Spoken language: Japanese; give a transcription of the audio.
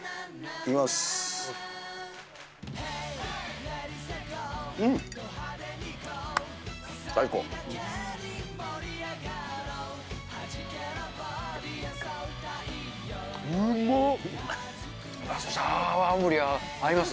いきます。